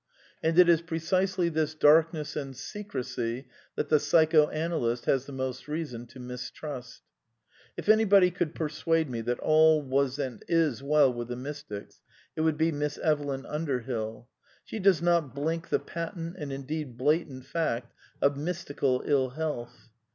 And it is precisely this darkness and secrecy that the psychoanalyst has the most reason to mistrust. If anybody could persuade me that all was and is well with the mystics it would be Miss Evelyn Underbill. She does not blink the patent^ and indeed blatant, fact of " mystical ill health."